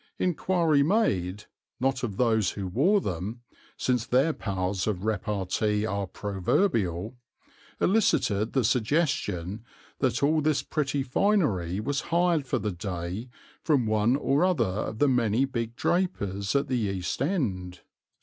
Inquiry made, not of those who wore them, since their powers of repartee are proverbial, elicited the suggestion that all this pretty finery was hired for the day from one or other of the many big drapers at the East End.